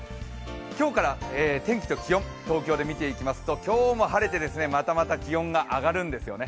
今日から天気と気温、東京で見ていきますと今日も晴れてまたまた気温が上がるんですよね。